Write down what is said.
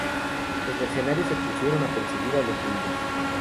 Los mercenarios se dispusieron a perseguir a los huidos.